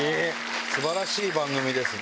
すばらしい番組ですね。